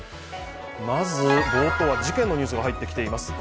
まず冒頭は事件のニュースが入ってきています。